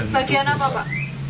bagian apa pak